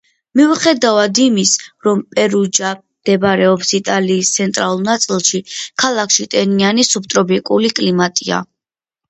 მიუხედავად იმის, რომ პერუჯა მდებარეობს იტალიის ცენტრალურ ნაწილში, ქალაქში ტენიანი სუბტროპიკული კლიმატია.